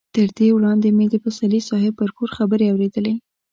تر دې وړاندې مې د پسرلي صاحب پر کور خبرې اورېدلې.